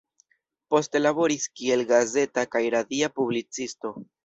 Poste laboris kiel gazeta kaj radia publicisto.